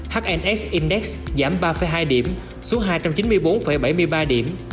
hns index giảm ba hai điểm xuống hai trăm chín mươi bốn bảy mươi ba điểm